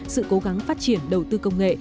sự cố gắng phát triển đầu tư công nghệ